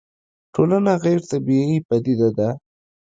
ټولنه غيري طبيعي پديده ده